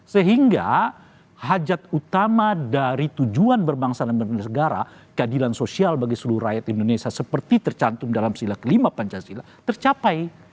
sehingga hajat utama dari tujuan berbangsa dan bernegara keadilan sosial bagi seluruh rakyat indonesia seperti tercantum dalam sila kelima pancasila tercapai